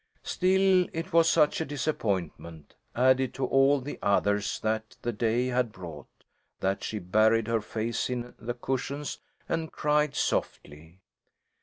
Still, it was such a disappointment, added to all the others that the day had brought, that she buried her face in the cushions and cried softly.